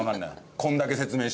これだけ説明しても？